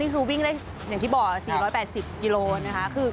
คือวิ่งได้อย่างที่บอก๔๘๐กิโลนะคะ